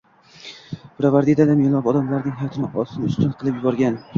Pirovardida millionlab odamlarning hayotini ostin-ustin qilib yuborgan